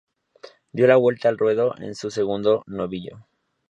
Dio la vuelta al ruedo en su segundo novillo.